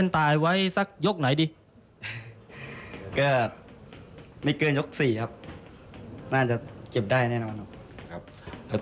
ตัวเอียดไม่ได้แน่นอนนะครับ